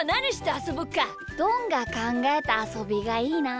どんがかんがえたあそびがいいな。